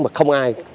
mà không ai